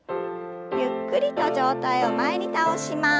ゆっくりと上体を前に倒します。